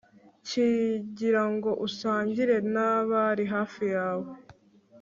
kugirango usangire nabari hafi yawe